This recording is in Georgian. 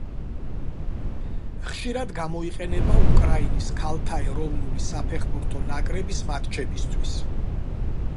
ხშირად გამოიყენება უკრაინის ქალთა ეროვნული საფეხბურთო ნაკრების მატჩებისთვის.